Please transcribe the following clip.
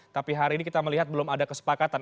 tapi hari ini kita melihat belum ada kesepakatan